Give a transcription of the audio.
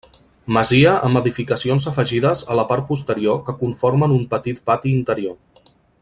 Masia amb edificacions afegides a la part posterior que conformen un petit pati interior.